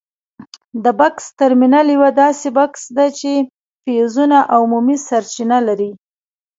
د بکس ترمینل یوه داسې بکس ده چې فیوزونه او عمومي سویچونه لري.